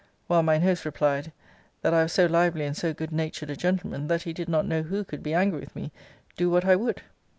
While mine host replied, That I was so lively and so good natured a gentleman, that he did not know who could be angry with me, do what I would.